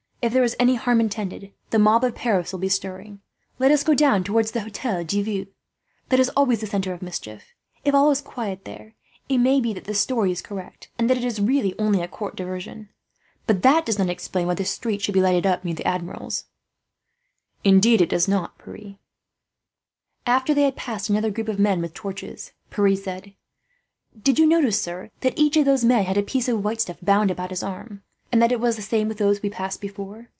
If there is any harm intended, the mob of Paris will be stirring. Let us go down towards the Hotel de Ville; that is always the centre of mischief. If all is quiet there, it may be that this story is correct, and that it is really only a court diversion. But that does not explain why the streets should be lighted up near the Admiral's." "It does not, Pierre." After they had passed another group of men with torches, Pierre said: "Did you notice, sir, that each of those men had a piece of white stuff bound round his arm, and that it was the same with those we passed before?